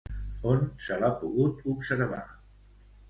On se l'ha pogut observar?